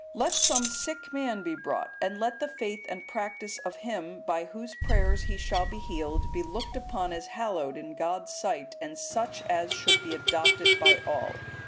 Let some sick man be brought, and let the faith and practice of him, by whose prayers he shall be healed, be looked upon as hallowed in God's sight and such as should be adopted by all."